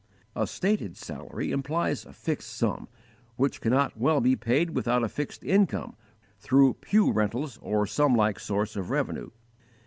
A stated salary implies a fixed sum, which cannot well be paid without a fixed income through pew rentals or some like source of revenue.